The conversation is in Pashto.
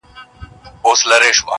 نه پاچا نه حکمران سلطان به نسې,